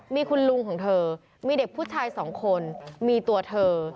มีคุณลุงของเธอมีเด็กผู้ชายสองคนมีตัวเธอ